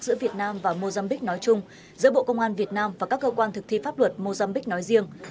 giữa việt nam và mozambiqu nói chung giữa bộ công an việt nam và các cơ quan thực thi pháp luật mozambiqu nói riêng